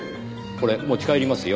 これ持ち帰りますよ。